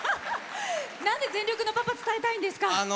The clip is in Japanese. なんで全力のパパ伝えたいんですか？